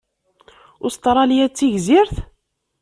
Ustṛalya d tigzirt?